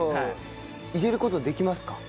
入れる事できますか？